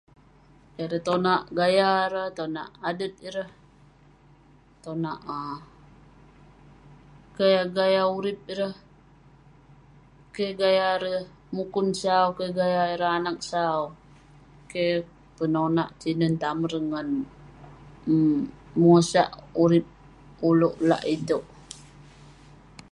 ireh tonak gaya ireh, tonak adet ireh, tonak um gaya gaya urip ireh, keh gaya ireh mukun sau, keh gaya ireh anag sau..keh penonak tinen tamen ireh ngan bengosak urip ulouk lak itouk